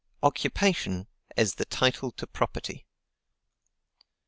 Occupation, as the Title to Property.